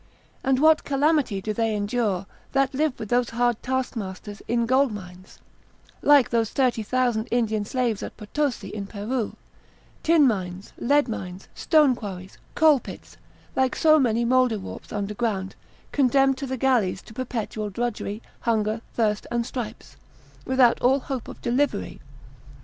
And what calamity do they endure, that live with those hard taskmasters, in gold mines (like those 30,000 Indian slaves at Potosi, in Peru), tin mines, lead mines, stone quarries, coal pits, like so many mouldwarps under ground, condemned to the galleys, to perpetual drudgery, hunger, thirst, and stripes, without all hope of delivery?